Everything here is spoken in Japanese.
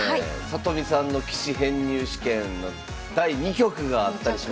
里見さんの棋士編入試験の第２局があったりしますけれども。